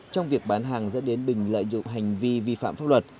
trong việc bán hàng dẫn đến bình lợi dụng hành vi vi phạm pháp luật